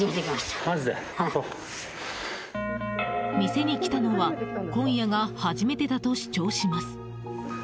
店に来たのは今夜が初めてだと主張します。